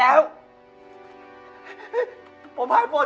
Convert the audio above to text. แบบนี้